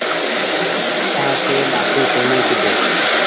ڪآڪي ٻآٽي ڪونيٚ ڪيڌي